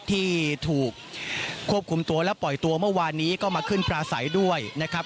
ที่ถูกควบคุมตัวและปล่อยตัวเมื่อวานนี้ก็มาขึ้นปลาใสด้วยนะครับ